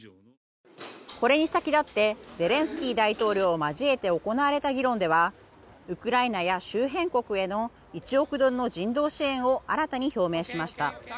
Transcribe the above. これに先立ってゼレンスキー大統領を交えて行われた議論ではウクライナや周辺国への１億ドルの人道支援を新たに表明しました。